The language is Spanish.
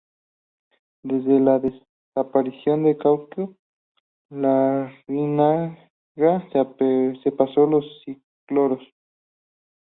Desde la desaparición de Kaiku, Larrinaga se pasó al ciclocrós.